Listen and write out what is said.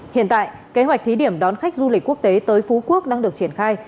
hiện tại kế hoạch thí điểm đón khách du lịch quốc tế tới phú quốc đang được triển khai